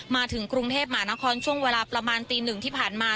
มาถึงกรุงเทพหมานครช่วงเวลาประมาณตีหนึ่งที่ผ่านมา